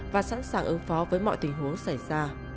và sẵn sàng ứng phó với mọi tình huống xảy ra